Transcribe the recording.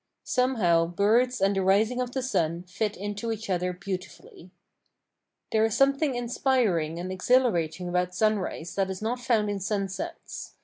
Somehow birds and the rising of the sun fit into each other beautifully. There is something inspiring and exhilarating about sunrise that is not found in sunsets.